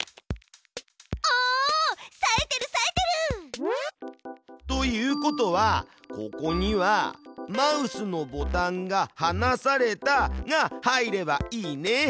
おさえてるさえてる！ということはここには「マウスのボタンがはなされた」が入ればいいね。